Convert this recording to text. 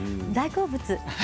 大好物。